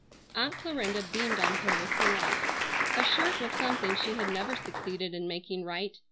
Aunt Clarinda beamed on her with delight. A shirt was something she had never succeeded in making right.